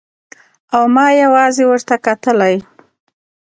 او ما يوازې ورته کتلای.